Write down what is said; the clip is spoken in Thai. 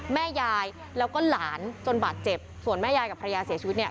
แม่ยายแล้วก็หลานจนบาดเจ็บส่วนแม่ยายกับภรรยาเสียชีวิตเนี่ย